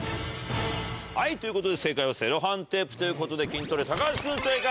はいということで正解はセロハンテープということで『キントレ』橋君正解。